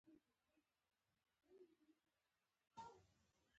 زړه سپا کړه.